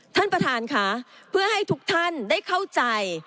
ท่านประธานค่ะเพื่อให้ทุกท่านได้เข้าใจ